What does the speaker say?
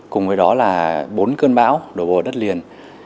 cùng với đó là bốn cơn bão đổ bộ vào đất liền